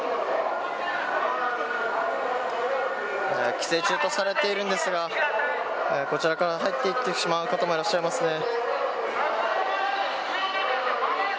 規制中とされているんですがこちらから入っていってしまう方もいらっしゃいますね。